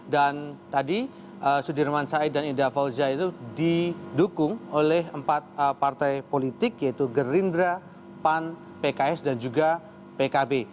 dan tadi sudirman syed dan ida fauzia itu didukung oleh empat partai politik yaitu gerindra pan pks dan juga pkb